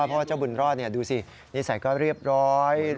เพราะว่าเจ้าบุญรอดดูสินิสัยก็เรียบร้อย